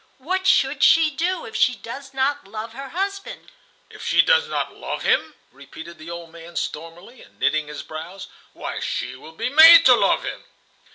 What should she do if she does not love her husband?" "If she does not love him!" repeated the old man, stormily, and knitting his brows; "why, she will be made to love him."